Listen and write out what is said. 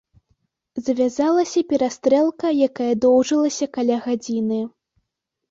Завязалася перастрэлка, якая доўжылася каля гадзіны.